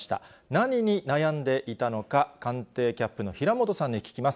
何に悩んでいたのか、官邸キャップの平本さんに聞きます。